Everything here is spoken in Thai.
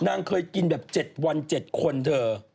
นางเคยกินแบบ๗วัน๗คนเธอ